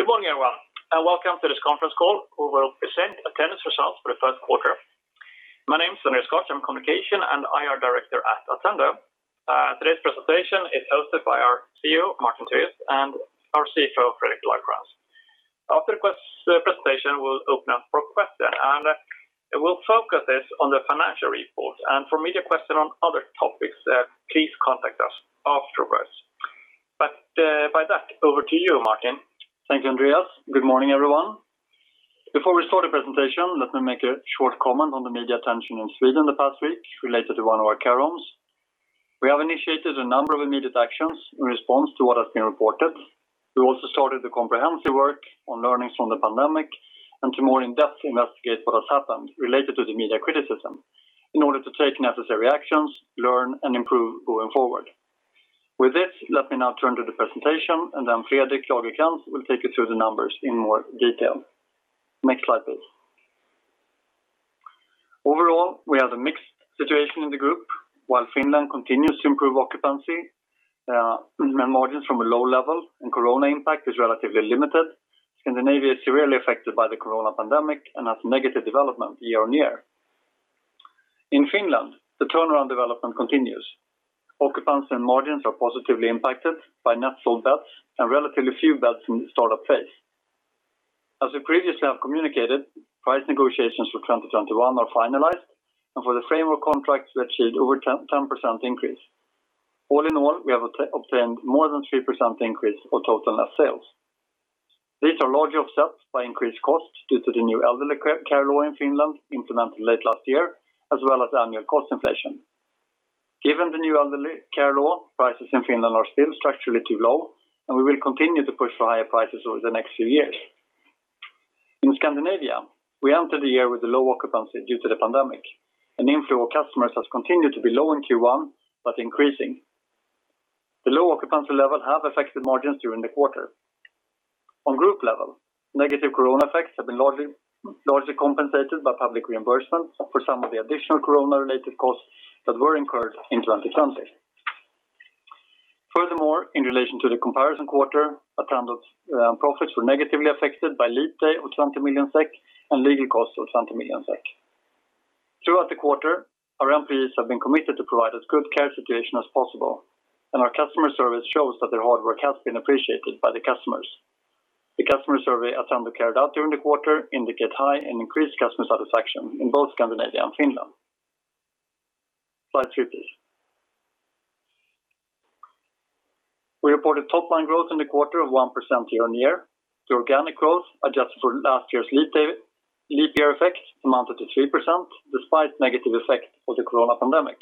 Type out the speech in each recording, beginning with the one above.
Good morning, everyone, welcome to this conference call. We will present Attendo's results for the first quarter. My name is Andreas Skott. I'm Communication and IR Director at Attendo. Today's presentation is hosted by our CEO, Martin Tivéus, and our CFO, Fredrik Lagercrantz. After the presentation, we'll open up for questions, and we'll focus this on the financial report. For media questions on other topics, please contact us afterwards. By that, over to you, Martin. Thank you, Andreas. Good morning, everyone. Before we start the presentation, let me make a short comment on the media attention in Sweden in the past week related to one of our care homes. We have initiated a number of immediate actions in response to what has been reported. We also started the comprehensive work on learnings from the pandemic and to more in-depth investigate what has happened related to the media criticism in order to take necessary actions, learn, and improve going forward. With this, let me now turn to the presentation, then Fredrik Lagercrantz will take you through the numbers in more detail. Next slide, please. Overall, we have a mixed situation in the group. While Finland continues to improve occupancy and margins from a low level and corona impact is relatively limited, Scandinavia is severely affected by the corona pandemic and has negative development year-on-year. In Finland, the turnaround development continues. Occupancy and margins are positively impacted by net sold beds and relatively few beds in the startup phase. As we previously have communicated, price negotiations for 2021 are finalized, and for the framework contracts, we achieved over 10% increase. All in all, we have obtained more than three percent increase for total net sales. These are largely offset by increased costs due to the new elderly care law in Finland implemented late last year, as well as annual cost inflation. Given the new elderly care law, prices in Finland are still structurally too low, and we will continue to push for higher prices over the next few years. In Scandinavia, we entered the year with a low occupancy due to the pandemic, and the inflow of customers has continued to be low in Q1, but increasing. The low occupancy level have affected margins during the quarter. On group level, negative corona effects have been largely compensated by public reimbursement for some of the additional corona-related costs that were incurred in 2020. Furthermore, in relation to the comparison quarter, Attendo's profits were negatively affected by leap day of 20 million SEK and legal costs of 20 million SEK. Throughout the quarter, our employees have been committed to provide as good care situation as possible, and our customer service shows that their hard work has been appreciated by the customers. The customer survey Attendo carried out during the quarter indicate high and increased customer satisfaction in both Scandinavia and Finland. Slide three, please. We reported top-line growth in the quarter of one percent year-on-year. The organic growth, adjusted for last year's leap year effect, amounted to three percent, despite negative effect of the COVID pandemic.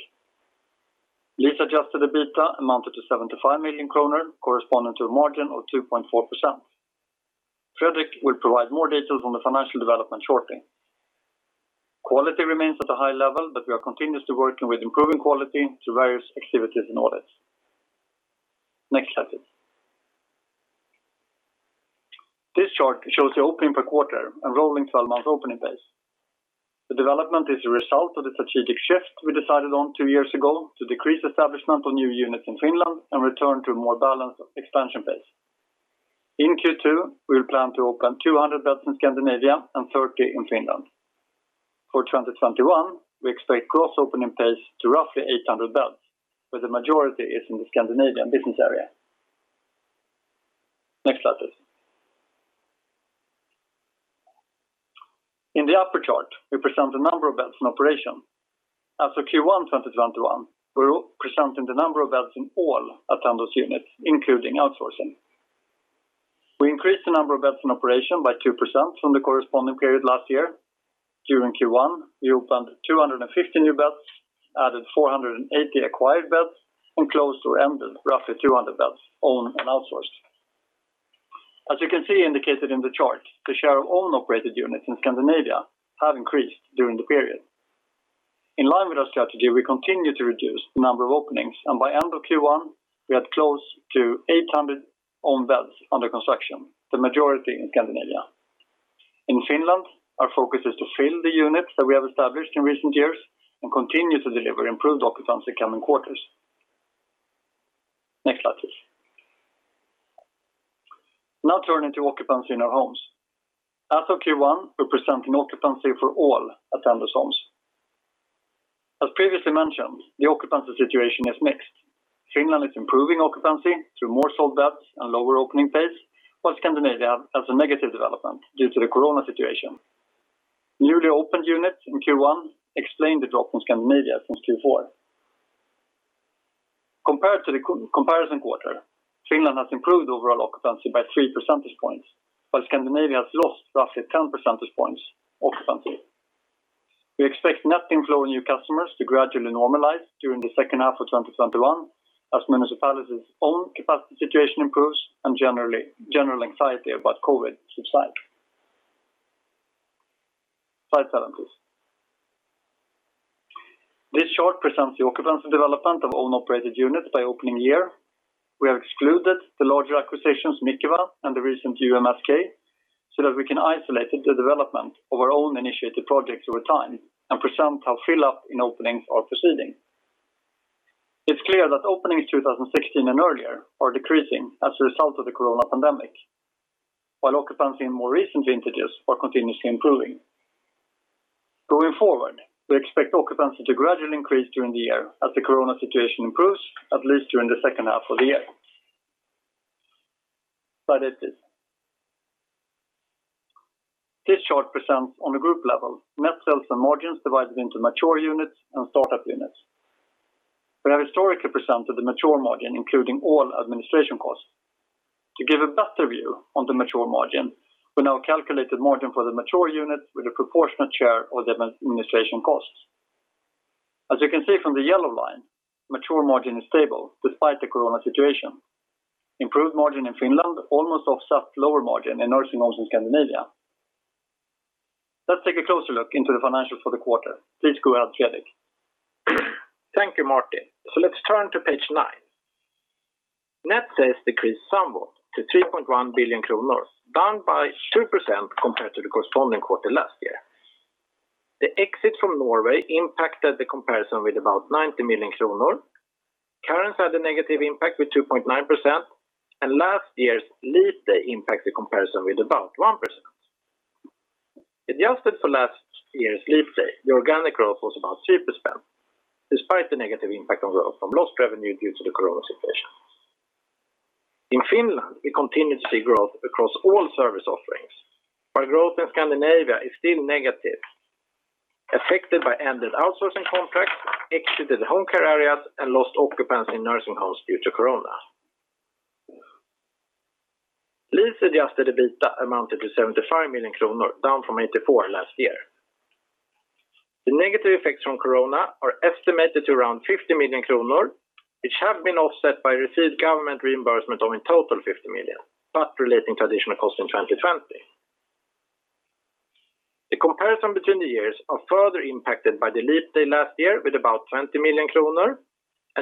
Lease-adjusted EBITDA amounted to 75 million kronor, corresponding to a margin of two point four percent. Fredrik will provide more details on the financial development shortly. Quality remains at a high level. We are continuously working with improving quality through various activities and audits. Next slide, please. This chart shows the opening per quarter and rolling 12 months opening pace. The development is a result of the strategic shift we decided on two years ago to decrease establishment of new units in Finland and return to a more balanced expansion pace. In Q2, we will plan to open 200 beds in Scandinavia and 30 in Finland. For 2021, we expect gross opening pace to roughly 800 beds, where the majority is in the Scandinavian business area. Next slide, please. In the upper chart, we present the number of beds in operation. As of Q1 2021, we're presenting the number of beds in all Attendo's units, including outsourcing. We increased the number of beds in operation by two percent from the corresponding period last year. During Q1, we opened 250 new beds, added 480 acquired beds, and closed or ended roughly 200 beds, owned and outsourced. As you can see indicated in the chart, the share of own operated units in Scandinavia have increased during the period. In line with our strategy, we continue to reduce the number of openings, and by end of Q1, we had close to 800 own beds under construction, the majority in Scandinavia. In Finland, our focus is to fill the units that we have established in recent years and continue to deliver improved occupancy in coming quarters. Next slide, please. Now turning to occupancy in our homes. As of Q1, we're presenting occupancy for all Attendo's homes. As previously mentioned, the occupancy situation is mixed. Finland is improving occupancy through more sold beds and lower opening pace, while Scandinavia has a negative development due to the COVID situation. Newly opened units in Q1 explain the drop from Scandinavia since Q4. Compared to the comparison quarter, Finland has improved overall occupancy by 3 percentage points, while Scandinavia has lost roughly 10 percentage points occupancy. We expect net inflow in new customers to gradually normalize during the second half of 2021 as municipalities' own capacity situation improves and general anxiety about COVID subside. Slide seven, please. This chart presents the occupancy development of own operated units by opening year. We have excluded the larger acquisitions, Mikeva and the recent UMSK, so that we can isolate the development of our own initiated projects over time and present how fill up in openings are proceeding. It's clear that openings 2016 and earlier are decreasing as a result of the COVID pandemic, while occupancy in more recent entities are continuously improving. Going forward, we expect occupancy to gradually increase during the year as the COVID situation improves, at least during the second half of the year. Slide eight please. This chart presents on a group level net sales and margins divided into mature units and startup units. We have historically presented the mature margin, including all administration costs. To give a better view on the mature margin, we now calculate the margin for the mature units with a proportionate share of the administration costs. As you can see from the yellow line, mature margin is stable despite the COVID situation. Improved margin in Finland almost offsets lower margin in nursing homes in Scandinavia. Let's take a closer look into the financials for the quarter. Please go, Fredrik. Thank you, Martin. Let's turn to page nine. Net sales decreased somewhat to 3.1 billion kronor, down by two percent compared to the corresponding quarter last year. The exit from Norway impacted the comparison with about 90 million kronor. Currencies had a negative impact with two point nine percent, and last year's leap day impacted the comparison with about one percent. Adjusted for last year's leap day, the organic growth was about three percent, despite the negative impact from lost revenue due to the COVID situation. In Finland, we continued to see growth across all service offerings. While growth in Scandinavia is still negative, affected by ended outsourcing contracts, exited home care areas, and lost occupancy in nursing homes due to COVID. Lease-adjusted EBITDA amounted to 75 million kronor, down from 84 last year. The negative effects from COVID are estimated to around 50 million kronor, which have been offset by received government reimbursement of in total 50 million, but relating to additional cost in 2020. The comparison between the years are further impacted by the leap day last year with about 20 million kronor.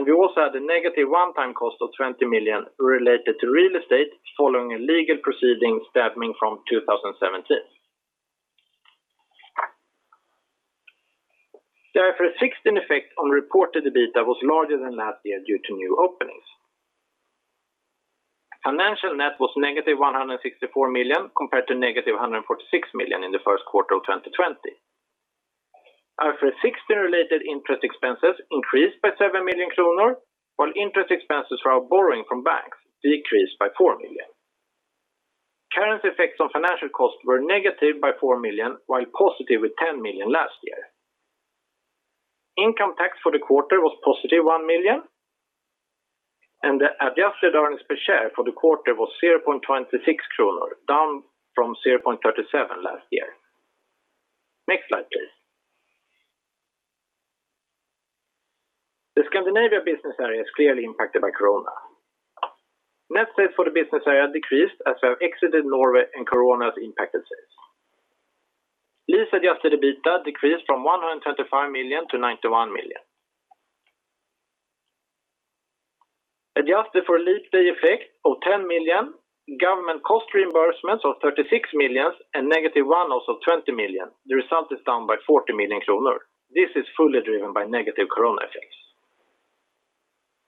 We also had a negative one-time cost of 20 million related to real estate following a legal proceeding stemming from 2017. A fixed effect on reported EBITDA was larger than last year due to new openings. Financial net was negative 164 million compared to negative 146 million in the first quarter of 2020. IFRS 16 related interest expenses increased by 7 million kronor, while interest expenses for our borrowing from banks decreased by 4 million. Currency effects on financial costs were negative by 4 million, while positive with 10 million last year. Income tax for the quarter was positive 1 million. The adjusted earnings per share for the quarter was 0.26 kronor, down from 0.37 last year. Next slide, please. The Scandinavia business area is clearly impacted by COVID. Net sales for the business area decreased as we have exited Norway and COVID impacted sales. Lease-adjusted EBITDA decreased from 135 million to 91 million. Adjusted for a leap day effect of 10 million, government cost reimbursements of 36 million, and negative one-offs of 20 million, the result is down by 40 million kronor. This is fully driven by negative COVID effects.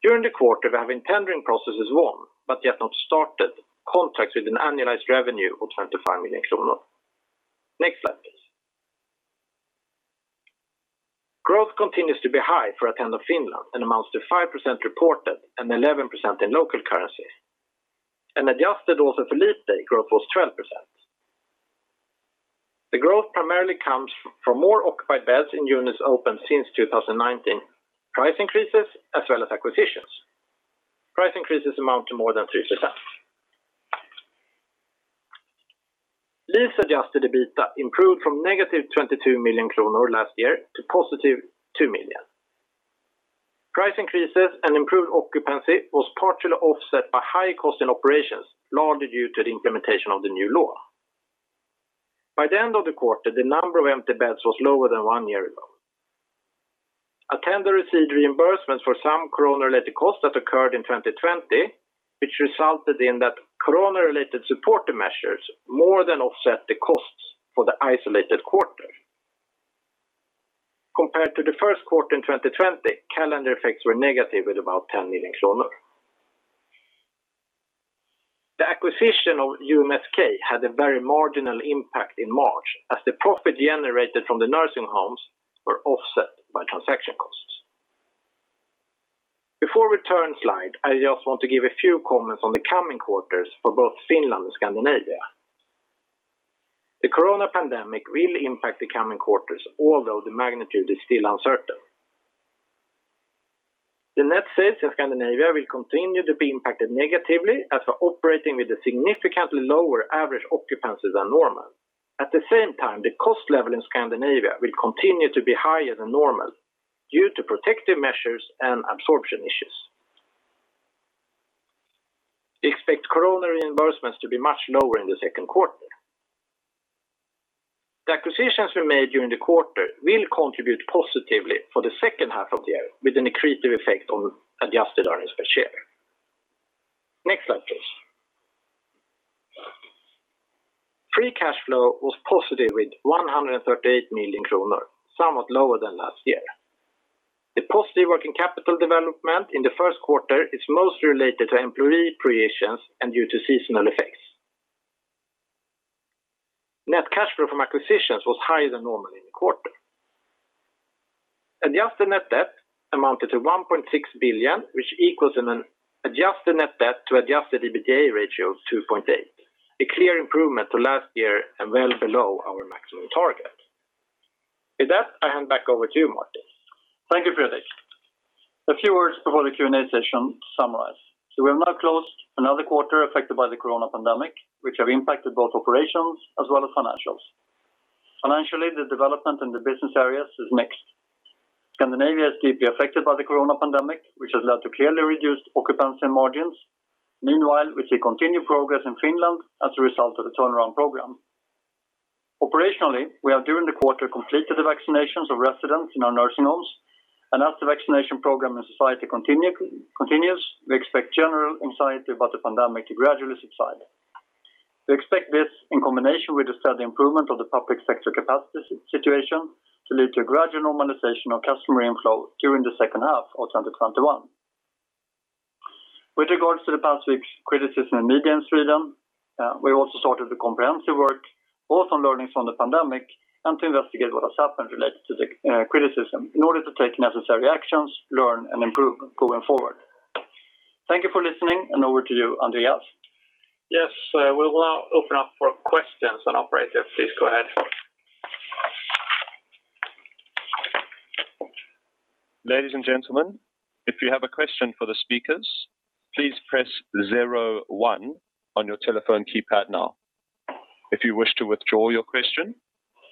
During the quarter, we have in tendering processes won, but yet not started contracts with an annualized revenue of 25 million kronor. Next slide, please. Growth continues to be high for Attendo Finland and amounts to five percent reported and 11% in local currency. Adjusted also for leap day, growth was 12%. The growth primarily comes from more occupied beds in units opened since 2019, price increases, as well as acquisitions. Price increases amount to more than three percent. Lease-adjusted EBITDA improved from negative 22 million kronor last year to positive 2 million. Price increases and improved occupancy was partially offset by high cost in operations, largely due to the implementation of the new law. By the end of the quarter, the number of empty beds was lower than one year ago. Attendo received reimbursements for some COVID-related costs that occurred in 2020, which resulted in that COVID-related supportive measures more than offset the costs for the isolated quarter. Compared to the first quarter in 2020, calendar effects were negative at about 10 million kronor. The acquisition of UMSK had a very marginal impact in March as the profit generated from the nursing homes were offset by transaction costs. Before we turn slide, I just want to give a few comments on the coming quarters for both Finland and Scandinavia. The COVID pandemic will impact the coming quarters, although the magnitude is still uncertain. The net sales in Scandinavia will continue to be impacted negatively as we're operating with a significantly lower average occupancy than normal. At the same time, the cost level in Scandinavia will continue to be higher than normal due to protective measures and absorption issues. We expect COVID reimbursements to be much lower in the second quarter. The acquisitions we made during the quarter will contribute positively for the second half of the year with an accretive effect on adjusted earnings per share. Free cash flow was positive with 138 million kronor, somewhat lower than last year. The positive working capital development in the first quarter is mostly related to employee accruals and due to seasonal effects. Net cash flow from acquisitions was higher than normal in the quarter. Adjusted net debt amounted to 1.6 billion, which equals an adjusted net debt to adjusted EBITDA ratio of two point eight, a clear improvement to last year and well below our maximum target. With that, I hand back over to you, Martin. Thank you, Fredrik. A few words before the Q&A session to summarize. We have now closed another quarter affected by the COVID pandemic, which have impacted both operations as well as financials. Financially, the development in the business areas is mixed. Scandinavia is deeply affected by the COVID pandemic, which has led to clearly reduced occupancy and margins. Meanwhile, we see continued progress in Finland as a result of the turnaround program. Operationally, we have during the quarter completed the vaccinations of residents in our nursing homes, and as the vaccination program in society continues, we expect general anxiety about the pandemic to gradually subside. We expect this in combination with the steady improvement of the public sector capacity situation to lead to a gradual normalization of customer inflow during the second half of 2021. With regards to the past week's criticism in media in Sweden, we also started the comprehensive work, both on learnings from the pandemic and to investigate what has happened related to the criticism in order to take necessary actions, learn, and improve going forward. Thank you for listening, and over to you, Andreas. Yes, we will now open up for questions. Operator, please go ahead. Ladies and gentlemen, if you have a question for the speakers, please press zero one on your telephone keypad now. If you wish to withdraw your question,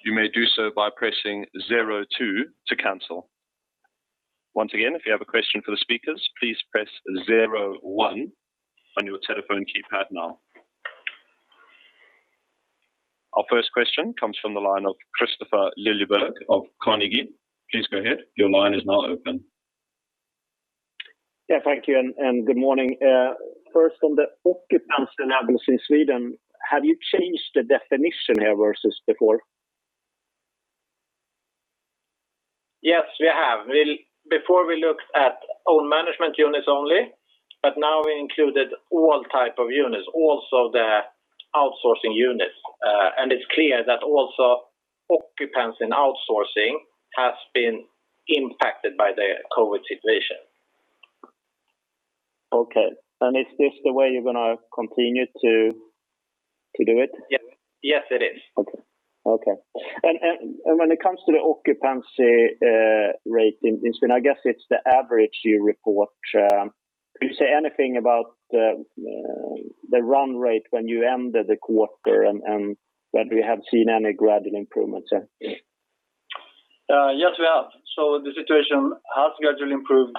you may do so by pressing zero two to cancel. Once again, if you have a question for the speakers, please press zero one on your telephone keypad now. Our first question comes from the line of Kristofer Liljeberg of Carnegie. Please go ahead. Your line is now open. Thank you, and good morning. First on the occupancy levels in Sweden, have you changed the definition here versus before? Yes, we have. Before we looked at own management units only, but now we included all type of units, also the outsourcing units. It's clear that also occupancy and outsourcing has been impacted by the COVID situation. Okay. Is this the way you're going to continue to do it? Yes, it is. Okay. When it comes to the occupancy rate in Sweden, I guess it's the average you report. Can you say anything about the run rate when you ended the quarter, and whether you have seen any gradual improvements there? Yes, we have. The situation has gradually improved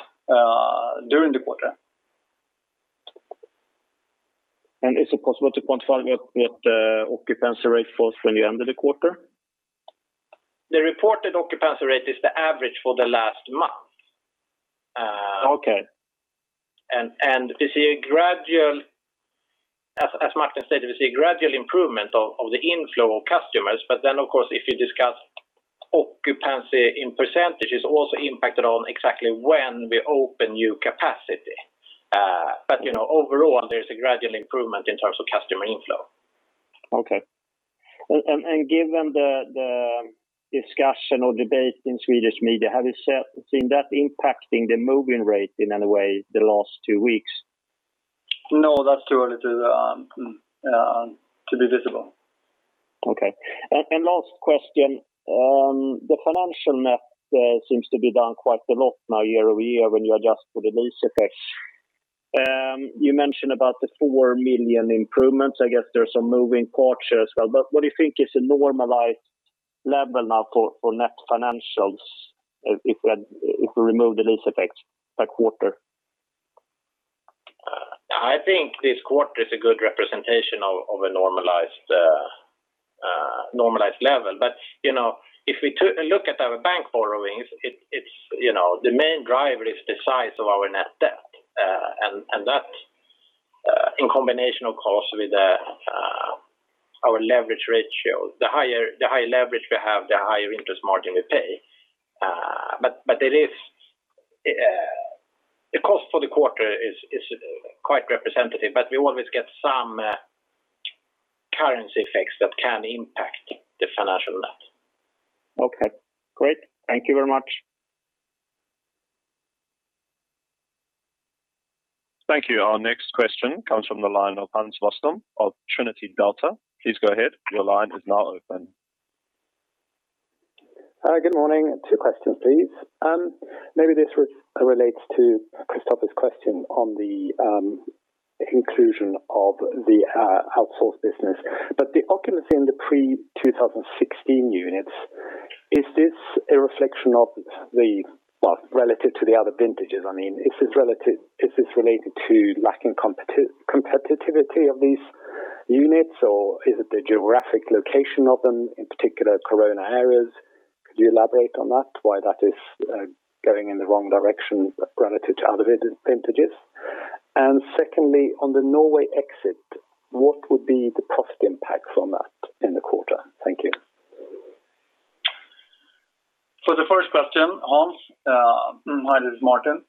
during the quarter. Is it possible to quantify what the occupancy rate was when you ended the quarter? The reported occupancy rate is the average for the last month. Okay. We see a gradual, as Martin stated, we see a gradual improvement of the inflow of customers. Of course, if you discuss occupancy in percentages also impacted on exactly when we open new capacity. Overall, there is a gradual improvement in terms of customer inflow. Okay. Given the discussion or debate in Swedish media, have you seen that impacting the moving rate in any way the last two weeks? No, that's too early to be visible. Okay. Last question. The financial net seems to be down quite a lot now year-over-year when you adjust for the lease effects. You mentioned about the 4 million improvements. I guess there's some moving parts here as well, but what do you think is a normalized level now for net financials if we remove the lease effects per quarter? I think this quarter is a good representation of a normalized level. If we look at our bank borrowings, the main driver is the size of our net debt, and that in combination, of course, with our leverage ratio. The higher leverage we have, the higher interest margin we pay. The cost for the quarter is quite representative, but we always get some currency effects that can impact the financial net. Okay, great. Thank you very much. Thank you. Our next question comes from the line of Hans von der Luft of Trinity Delta. Please go ahead. Good morning. Two questions, please. Maybe this relates to Kristofer's question on the inclusion of the outsourced business. The occupancy in the pre-2016 units, is this a reflection of the Well, relative to the other vintages, I mean, is this related to lacking competitivity of these units, or is it the geographic location of them, in particular COVID areas? Could you elaborate on that, why that is going in the wrong direction relative to other vintages? Secondly, on the Norway exit, what would be the profit impact from that in the quarter? Thank you. For the first question, Hans, hi, this is Martin.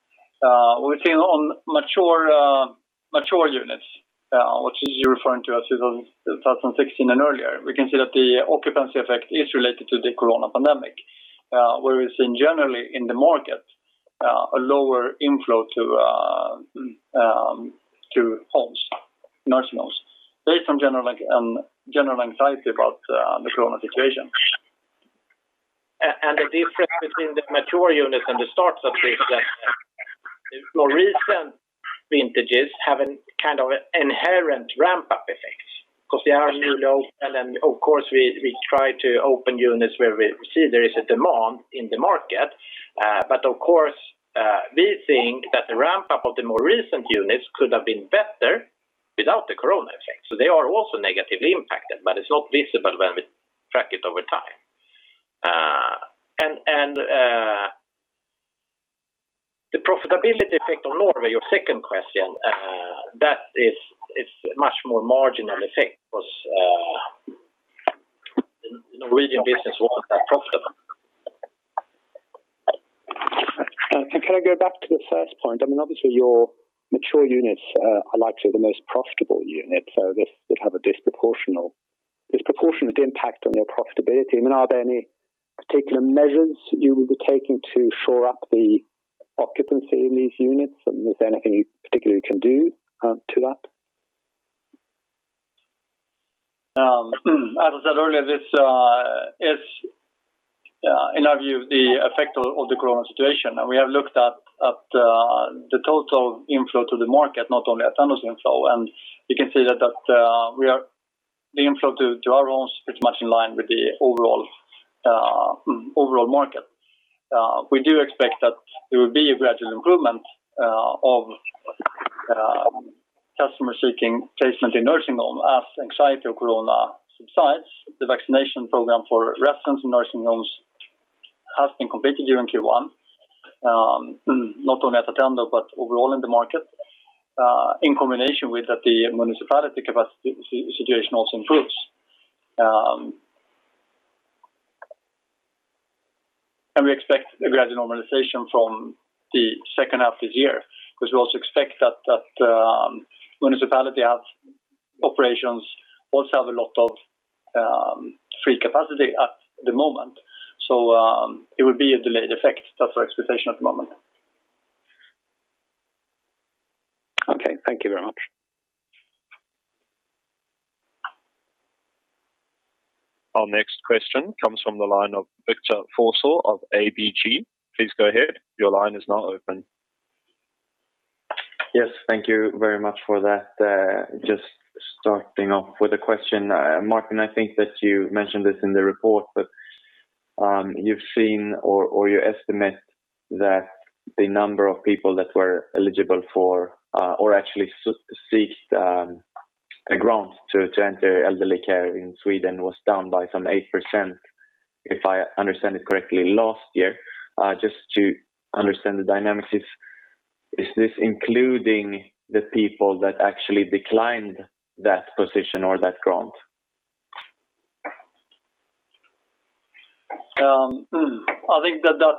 We've seen on mature units, which is you're referring to as 2016 and earlier, we can see that the occupancy effect is related to the corona pandemic. Whereas in generally in the market, a lower inflow to homes, nursing homes based on general anxiety about the corona situation. The difference between the mature units and the startups is that the more recent vintages have an inherent ramp-up effect because they are new build. Of course, we try to open units where we see there is a demand in the market. Of course, we think that the ramp-up of the more recent units could have been better without the corona effect. They are also negatively impacted, but it's not visible when we track it over time. The profitability effect on Norway, your second question, that is much more marginal effect because Norwegian business wasn't that profitable. Can I go back to the first point? Obviously, your mature units are likely the most profitable units. This would have a disproportionate impact on your profitability. Are there any particular measures you will be taking to shore up the occupancy in these units? Is there anything you particularly can do to that? As I said earlier, this is in our view the effect of the corona situation. We have looked at the total inflow to the market, not only Attendo's inflow. You can see that the inflow to our homes is pretty much in line with the overall market. We do expect that there will be a gradual improvement of customers seeking placement in nursing home as anxiety of corona subsides. The vaccination program for residents in nursing homes has been completed during Q1 not only at Attendo, but overall in the market, in combination with that the municipality capacity situation also improves. We expect a gradual normalization from the second half this year because we also expect that municipality operations also have a lot of free capacity at the moment. It will be a delayed effect. That's our expectation at the moment. Okay. Thank you very much. Our next question comes from the line of Viktor Forssell of ABG. Yes. Thank you very much for that. Just starting off with a question. Martin, I think that you mentioned this in the report that you've seen or you estimate that the number of people that were eligible for or actually seek a grant to enter elderly care in Sweden was down by some 8%, if I understand it correctly last year. Just to understand the dynamics, is this including the people that actually declined that position or that grant? I think that that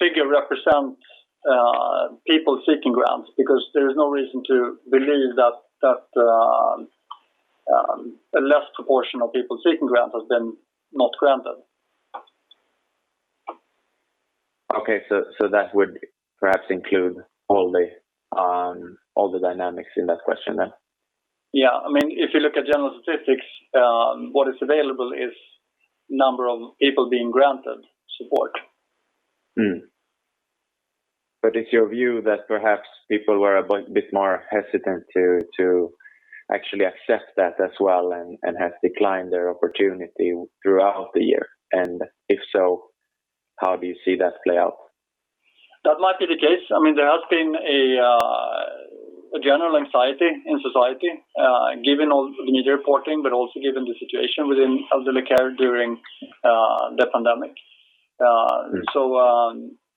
figure represents people seeking grants because there is no reason to believe that a less proportion of people seeking grants has been not granted. Okay. That would perhaps include all the dynamics in that question then? Yeah. If you look at general statistics what is available is number of people being granted support. It's your view that perhaps people were a bit more hesitant to actually accept that as well and have declined their opportunity throughout the year, and if so, how do you see that play out? That might be the case. There has been a general anxiety in society given all the media reporting, but also given the situation within elderly care during the pandemic.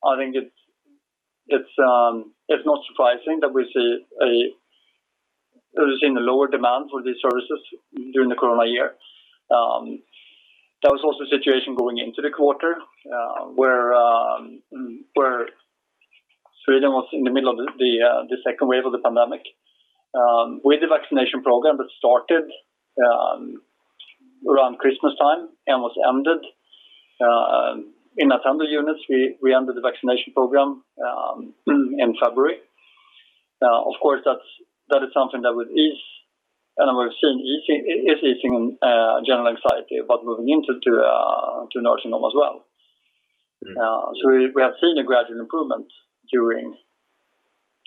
I think it's not surprising that we're seeing a lower demand for these services during the corona year. That was also the situation going into the quarter where Sweden was in the middle of the second wave of the pandemic. With the vaccination program that started around Christmas time and was ended in Attendo units, we ended the vaccination program in February. Of course, that is something that would ease and we're seeing is easing general anxiety about moving into nursing home as well. We have seen a gradual improvement during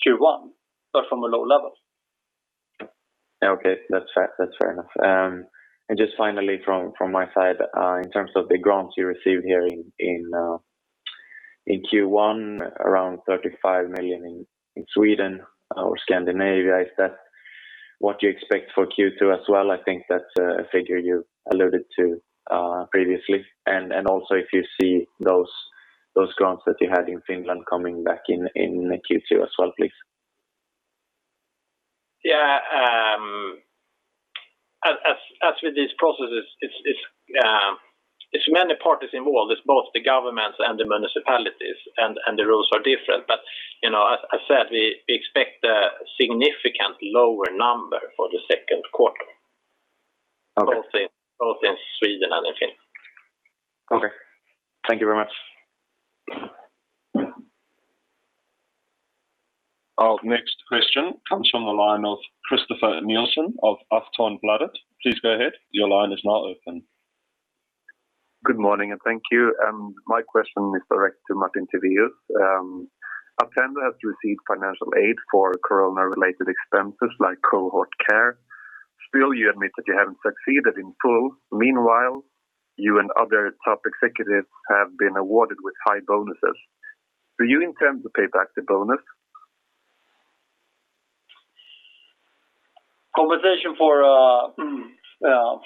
Q1, but from a low level. Okay. That's fair enough. Just finally from my side, in terms of the grants you received here in Q1, around 35 million in Sweden or Scandinavia. What do you expect for Q2 as well? I think that's a figure you alluded to previously, and also if you see those grants that you had in Finland coming back in Q2 as well, please. As with these processes, it's many parties involved. It's both the governments and the municipalities. The rules are different. As I said, we expect a significantly lower number for the second quarter. Both in Sweden and in Finland. Okay. Thank you very much. Our next question comes from the line of Christofer Nilsson of Aftonbladet. Please go ahead. Good morning, and thank you. My question is directed to Martin Tivéus. Attendo has received financial aid for corona-related expenses like cohort care. Still, you admit that you haven't succeeded in full. Meanwhile, you and other top executives have been awarded with high bonuses. Do you intend to pay back the bonus? Compensation for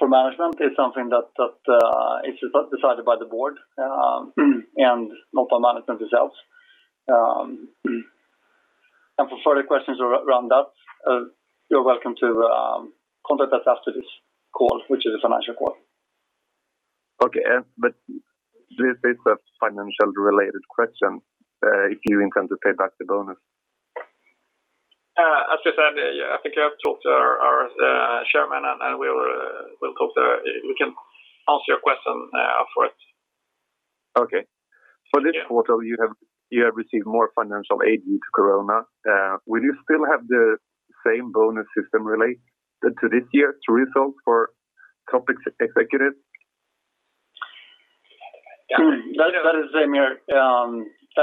management is something that is decided by the board, not by management itself. For further questions around that, you're welcome to contact us after this call, which is a financial call. Okay. This is a financially related question, if you intend to pay back the bonus. As I said, I think you have to talk to our Chairman. We can answer your question afterwards. Okay. For this quarter, you have received more financial aid due to corona. Will you still have the same bonus system related to this year's results for top executives? That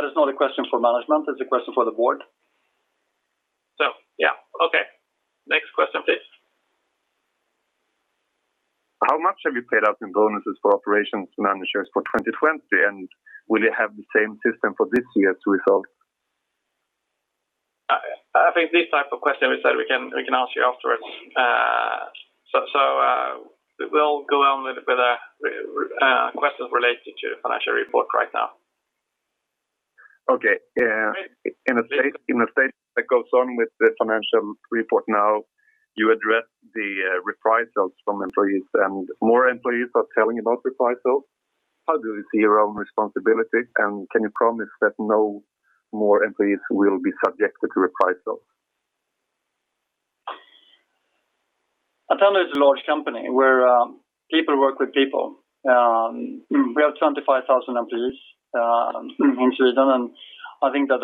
is not a question for management. That's a question for the board. Yeah. Okay, next question, please. How much have you paid out in bonuses for operations managers for 2020, and will you have the same system for this year's results? I think this type of question, we said we can answer you afterwards. We'll go on with questions related to the financial report right now. Okay. In the statement that goes on with the financial report now, you address the reprisals from employees, and more employees are telling about reprisals. How do you see your own responsibility, and can you promise that no more employees will be subjected to reprisals? Attendo is a large company where people work with people. We have 25,000 employees in Sweden, and I think that's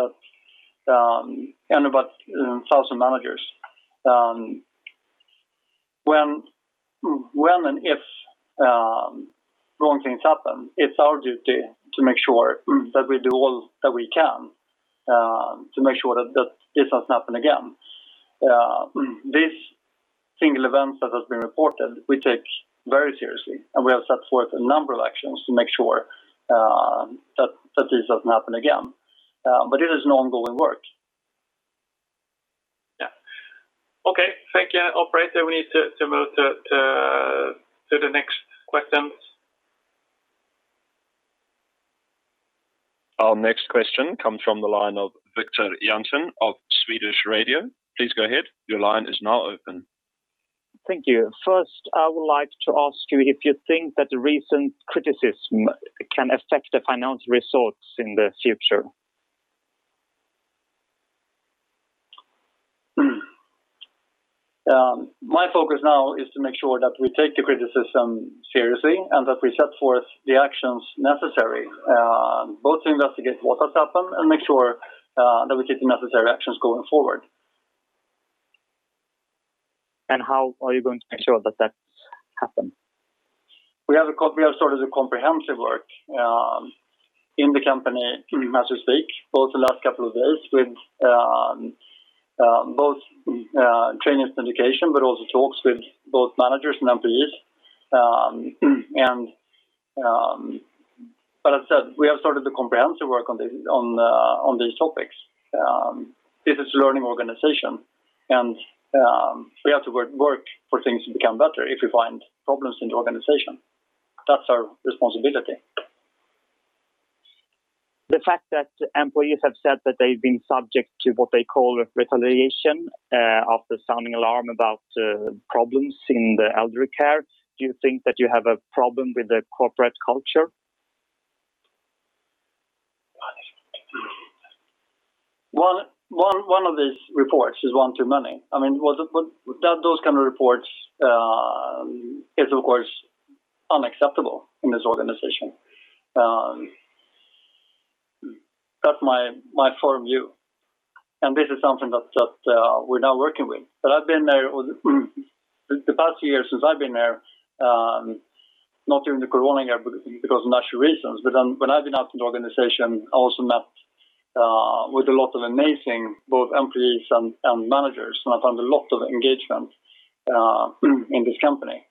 about 1,000 managers. When and if wrong things happen, it's our duty to make sure that we do all that we can to make sure that this doesn't happen again. These single events that have been reported, we take very seriously, and we have set forth a number of actions to make sure that this doesn't happen again. It is an ongoing work. Yeah. Okay, thank you. Operator, we need to move to the next question. Our next question comes from the line of Viktor Jansson of Sveriges Radio. Please go ahead. Your line is now open. Thank you. First, I would like to ask you if you think that the recent criticism can affect the financial results in the future? My focus now is to make sure that we take the criticism seriously and that we set forth the actions necessary, both to investigate what has happened and make sure that we take the necessary actions going forward. How are you going to make sure that that happens? We have started a comprehensive work in the company as we speak, both the last couple of days with both training and communication, but also talks with both managers and employees. As I said, we have started the comprehensive work on these topics. This is a learning organization, and we have to work for things to become better if we find problems in the organization. That's our responsibility. The fact that employees have said that they've been subject to what they call retaliation after sounding alarm about problems in the elder care, do you think that you have a problem with the corporate culture? One of these reports is one too many. Those kind of reports are of course unacceptable in this organization. That's my firm view. This is something that we're now working with. The past year since I've been there, not during the corona year because of natural reasons, but when I've been out in the organization, I also met with a lot of amazing both employees and managers, and I found a lot of engagement in this company.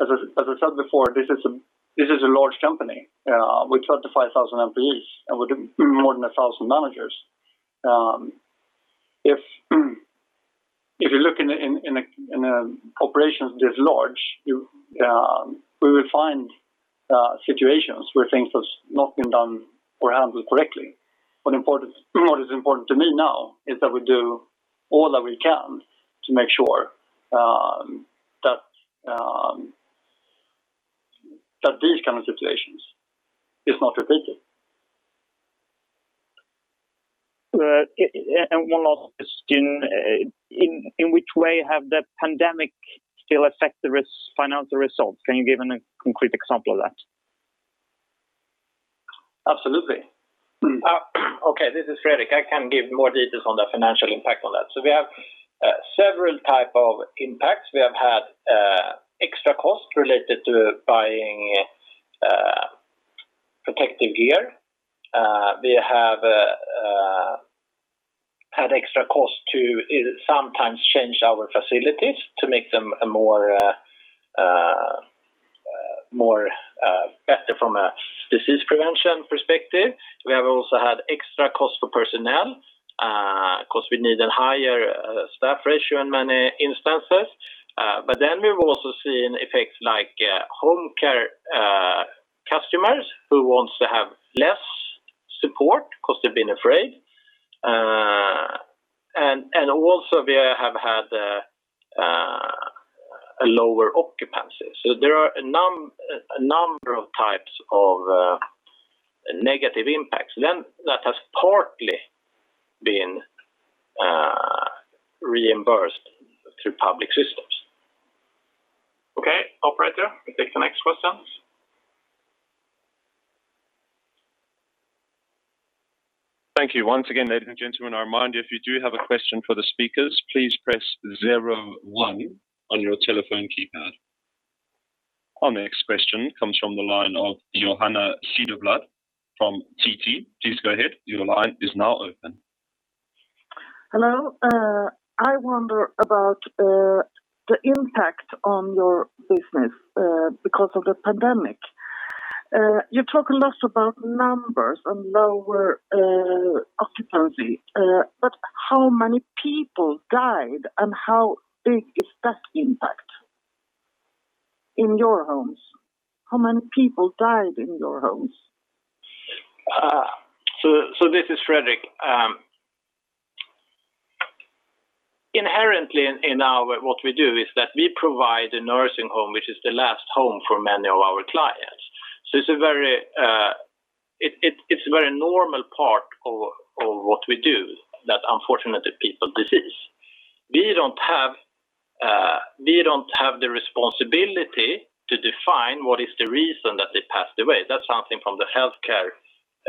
As I said before, this is a large company with 25,000 employees and with more than 1,000 managers. If you look in a corporation this large, we will find situations where things have not been done or handled correctly. What is important to me now is that we do all that we can to make sure that these kinds of situations are not repeated. One last question. In which way has the pandemic still affected the financial results? Can you give a concrete example of that? Absolutely. Okay, this is Fredrik. I can give more details on the financial impact of that. We have several types of impacts. We have had extra costs related to buying protective gear. We have had extra costs to sometimes change our facilities to make them better from a disease prevention perspective. We have also had extra costs for personnel because we need a higher staff ratio in many instances. We've also seen effects like home care customers who want to have less support because they've been afraid. Also, we have had a lower occupancy. There are a number of types of negative impacts that have partly been reimbursed through public systems. Okay. Operator, we take the next questions. Thank you once again, ladies and gentlemen. I remind you, if you do have a question for the speakers, please press zero one on your telephone keypad. Our next question comes from the line of Johanna Sireblad from TT. Please go ahead. Your line is now open. Hello. I wonder about the impact on your business because of the pandemic. You talk a lot about numbers and lower occupancy, but how many people died and how big is that impact in your homes? How many people died in your homes? This is Fredrik. Inherently in what we do is that we provide a nursing home, which is the last home for many of our clients. It's a very normal part of what we do that unfortunately people decease. We don't have the responsibility to define what is the reason that they passed away. That's something for the healthcare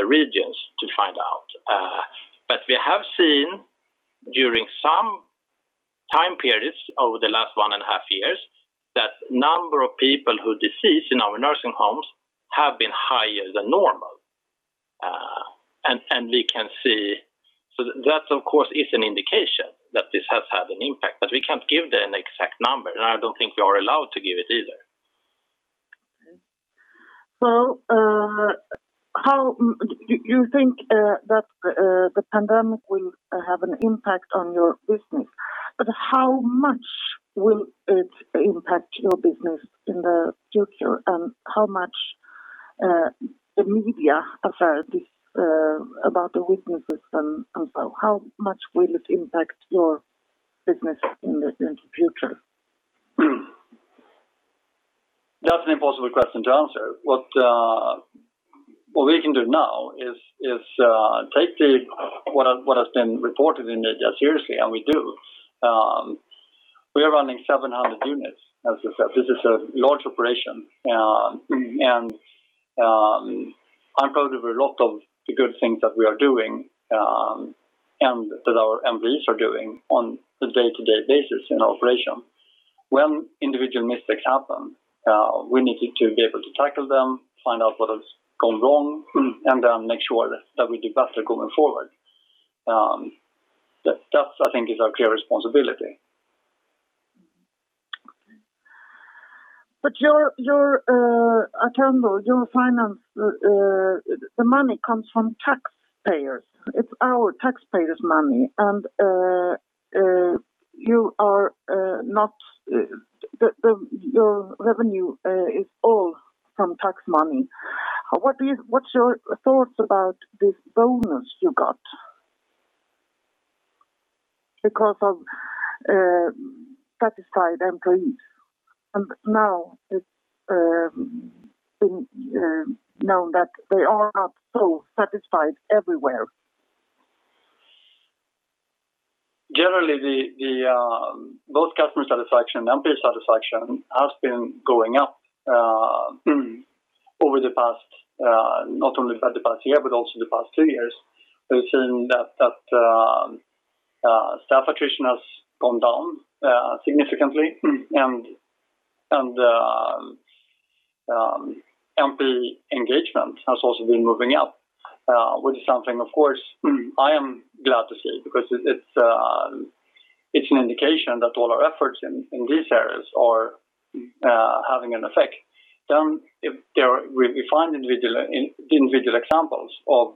regions to find out. We have seen during some time periods over the last one and a half years that the number of people who decease in our nursing homes has been higher than normal. That of course is an indication that this has had an impact, but we can't give an exact number, and I don't think we are allowed to give it either. You think that the pandemic will have an impact on your business, but how much will it impact your business in the future? How much the media affairs about the weaknesses and so how much will it impact your business in the future? That's an impossible question to answer. What we can do now is take what has been reported in it seriously, and we do. We are running 700 units. As I said, this is a large operation. On top of a lot of the good things that we are doing, and that our employees are doing on a day-to-day basis in our operation, when individual mistakes happen, we need to be able to tackle them, find out what has gone wrong, and then make sure that we do better going forward. That I think is our clear responsibility. Your Attendo, your finance, the money comes from taxpayers. It's our taxpayers' money, and your revenue is all from tax money. What's your thoughts about this bonus you got because of satisfied employees? Now it's been known that they are not so satisfied everywhere. Generally, both customer satisfaction and employee satisfaction have been going up over the past, not only for the past year, but also the past two years. We've seen that staff attrition has gone down significantly, and employee engagement has also been moving up, which is something of course I am glad to see because it's an indication that all our efforts in these areas are having an effect. If we find individual examples of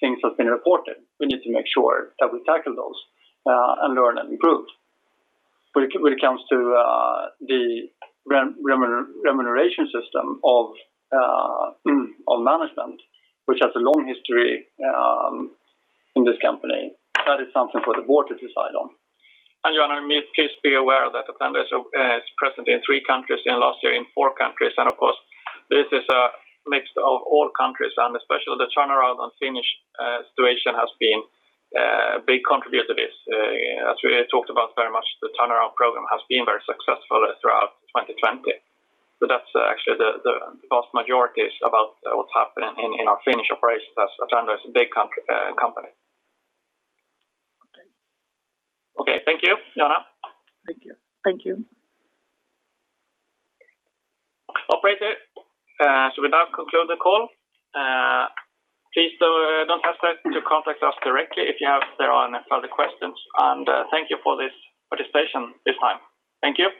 things that have been reported, we need to make sure that we tackle those and learn and improve. When it comes to the remuneration system of management, which has a long history in this company, that is something for the board to decide on. Johanna, please be aware that Attendo is present in three countries and last year in four countries. Of course this is a mix of all countries and especially the turnaround on the Finnish situation has been a big contributor to this. As we talked about very much, the turnaround program has been very successful throughout 2020. That's actually the vast majority is about what's happening in our Finnish operations as Attendo is a big company. Okay. Okay. Thank you, Johanna. Thank you. Operator, we now conclude the call. Please don't hesitate to contact us directly if you have further questions, and thank you for this participation this time. Thank you.